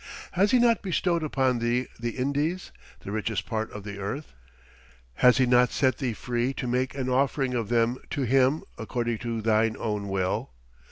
Has He not bestowed upon thee the Indies, the richest part of the earth? Has He not set thee free to make an offering of them to Him according to thine own will?